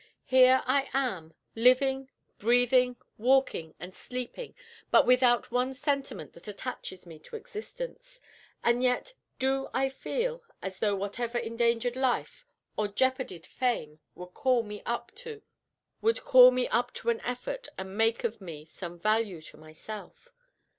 Here I am, living, breathing, walking, and sleeping, but without one sentiment that attaches me to existence; and yet do I feel as though whatever endangered life, or jeoparded fame would call me up to an effort and make me of some value to myself.